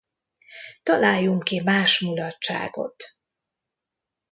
Találjunk ki más mulatságot!